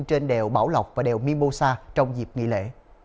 trên đèo bảo lộc và đèo mimosa trong dịp nghỉ lễ